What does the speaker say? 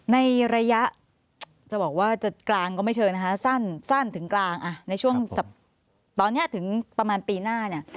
ในระยะจะบอกว่าจะกลางก็ไม่เชิงนะคะสั้นถึงกลางในช่วงตอนนี้ถึงประมาณปีหน้าเนี่ย